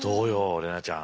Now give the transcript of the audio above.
怜奈ちゃん。